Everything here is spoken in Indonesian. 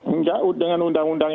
enggak dengan undang undangnya